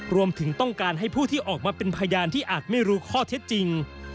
รวมถึงต้องการให้ผู้ที่ออกมาเป็นพยานที่อาจไม่รู้ข้อเท็จจริง